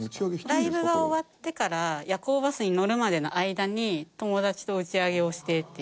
ライブが終わってから夜行バスに乗るまでの間に友達と打ち上げをしてっていう。